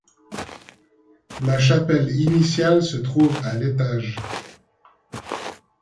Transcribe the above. La chapelle initiale se trouve à l'étage.